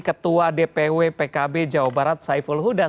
ketua dpw pkb jawa barat saiful hudas